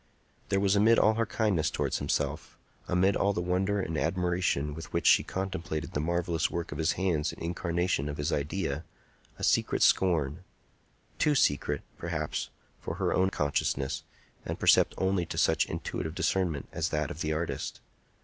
There was, amid all her kindness towards himself, amid all the wonder and admiration with which she contemplated the marvellous work of his hands and incarnation of his idea, a secret scorn—too secret, perhaps, for her own consciousness, and perceptible only to such intuitive discernment as that of the artist.